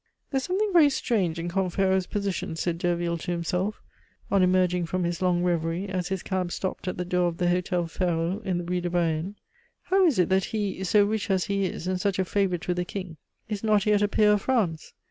"There is something very strange in Comte Ferraud's position," said Derville to himself, on emerging from his long reverie, as his cab stopped at the door of the Hotel Ferraud in the Rue de Varennes. "How is it that he, so rich as he is, and such a favorite with the King, is not yet a peer of France?